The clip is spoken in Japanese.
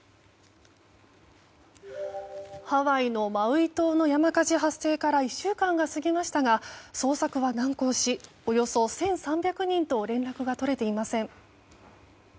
ハワイのマウイ島の山火事発生から１週間が過ぎましたが捜索は難航しおよそ１３００人と連絡が取れていません。